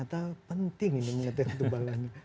oh ternyata penting ini mengetik tebalannya